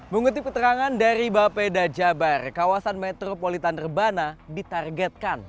mengutip keterangan dari bapeda jabar kawasan metropolitan rebana ditargetkan